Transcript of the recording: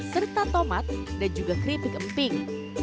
serta tomat dan juga keripik emping